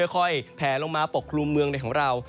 แผลลงมาปกคลุมเมืองในของเรา